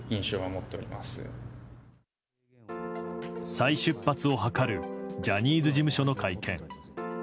再出発を図るジャニーズ事務所の会見。